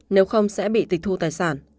nếu không sẽ bị tịch thu tài sản